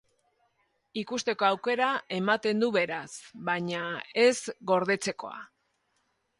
Ikusteko aukera ematen du beraz, baina ez gordetzekoa.